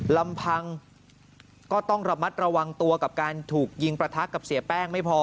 ลำพังก็ต้องระมัดระวังตัวกับการถูกยิงประทักกับเสียแป้งไม่พอ